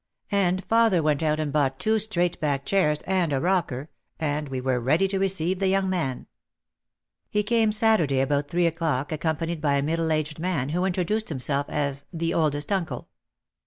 And father went out and bought two straight back chairs and a rocker, and we were ready to receive the young man. He came Saturday about three o'clock accompanied by a middle aged man who introduced himself as "the oldest uncle."